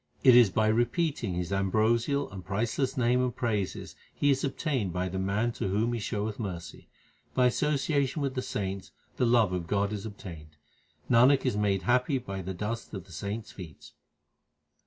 It is by repeating His ambrosial and priceless name and praises He is obtained by the man to whom He showeth mercy. By association with the saints the love of God is obtained : Nanak is made happy by the dust of the saints feet.